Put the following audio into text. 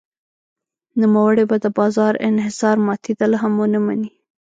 نوموړی به د بازار انحصار ماتېدل هم ونه مني.